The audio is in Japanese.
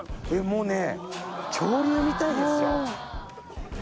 もうね恐竜みたいですよ。